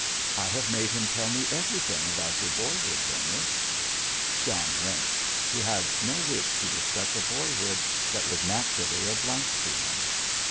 "I have made him tell me everything about your boyhood, Bernard." John winced. He had no wish to discuss a boyhood that was naturally a blank to him.